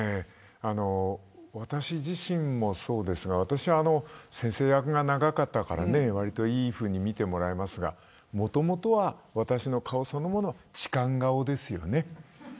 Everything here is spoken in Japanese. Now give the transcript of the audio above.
私自身もそうですが私は先生役が長かったからわりといいふうに見てもらえますがもともと私の顔そのものは痴漢顔ですよね。